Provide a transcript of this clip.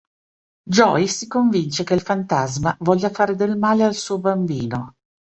Joey si convince che il fantasma voglia fare del male al suo bambino.